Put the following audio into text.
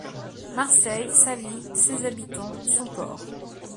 Marseille, sa vie, ses habitants, son port.